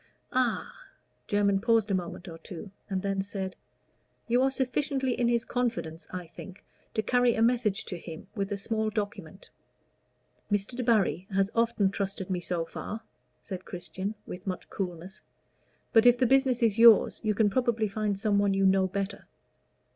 "Ah! " Jermyn paused a moment or two, and then said, "You are sufficiently in his confidence, I think, to carry a message to him with a small document?" "Mr. Debarry has often trusted me so far," said Christian, with much coolness; "but if the business is yours, you can probably find some one you know better."